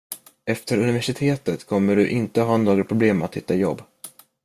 Efter universitetet kommer du inte ha några problem att hitta jobb.